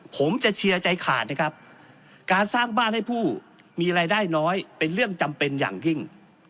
ผมจะเชียร์ใจขาดนะครับการสร้างบ้านให้ผู้มีรายได้น้อยเป็นเรื่องจำเป็นอย่างยิ่ง